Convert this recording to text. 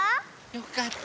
よかった。